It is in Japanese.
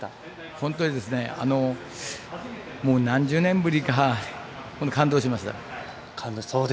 本当にもう何十年ぶりかに感動しました。